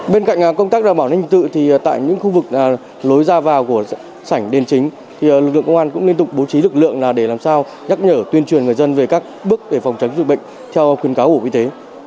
bên cạnh công tác đảm bảo ninh tự thì tại những khu vực lối ra vào của sảnh đền chính lực lượng công an cũng liên tục bố trí lực lượng để làm sao nhắc nhở tuyên truyền người dân về các bước để phòng tránh dịch bệnh theo khuyến cáo của bộ y tế